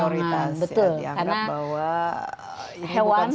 karena dianggap tidak prioritas